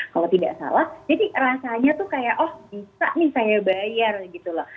kalau tidak salah jadi rasanya tuh kayak oh bisa nih saya bayar gitu loh